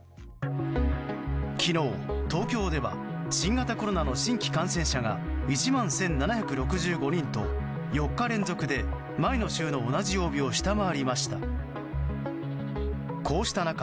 昨日、東京では新型コロナの新規感染者が１万１７６５人と、４日連続で前の週の同じ曜日を下回りました。